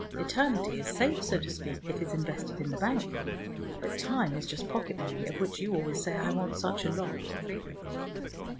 Eternity is safe, so to speak: it is invested in the bank, but time is just pocket money, of which you always say I want such a lot.